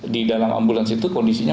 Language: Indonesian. di dalam ambulans itu kondisinya